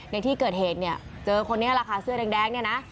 ในที่เกิดเหตุเจอคนนี้ล่ะค่ะเสื้อแดงนี่นะ